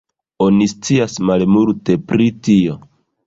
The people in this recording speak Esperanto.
Oni scias malmulte pri tio.